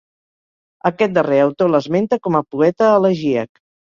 Aquest darrer autor l'esmenta com a poeta elegíac.